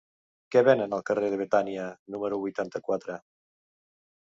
Què venen al carrer de Betània número vuitanta-quatre?